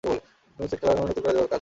Seed খেলনা ভেঙ্গে নতুন করে গড়ার কাজ করে।